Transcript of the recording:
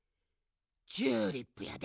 チューリップやで。